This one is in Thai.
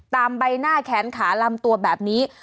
ใบหน้าแขนขาลำตัวแบบนี้